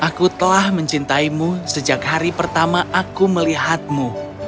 aku telah mencintaimu sejak hari pertama aku melihatmu